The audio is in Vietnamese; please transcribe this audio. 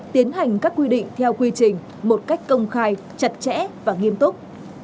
tiến hành các quy định theo quy trình một cách công khai chặt chẽ và nghiêm túc